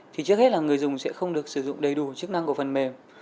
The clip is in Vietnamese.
thì trước hết là người dùng sẽ không được sử dụng đầy đủ chức năng của phần mềm